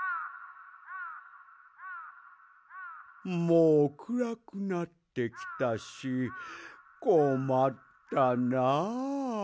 もうくらくなってきたしこまったなあ。